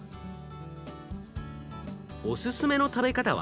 おすすめの食べ方は？